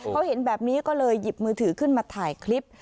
เขาเห็นแบบนี้ก็เลยหยิบมือถือขึ้นมาถ่ายคลิป